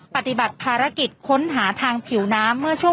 ปฏิบัติภารกิจค้นหาทางผิวน้ำเมื่อช่วง